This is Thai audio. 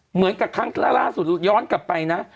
เหมือนกับครั้งล่าสุดย้อนกลับไปนะ